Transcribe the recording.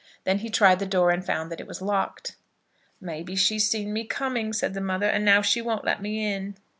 Then he tried the door, and found that it was locked. "May be she's seen me coming," said the mother, "and now she won't let me in."